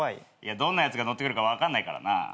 どんなやつが乗ってくるか分かんないからな。